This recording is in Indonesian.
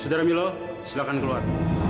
sudara milo silakan keluar